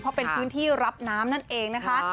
เพราะเป็นพื้นที่รับน้ำนั่นเองนะคะ